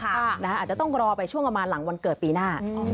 อาจจะต้องรอไปช่วงประมาณหลังวันเกิดปีหน้า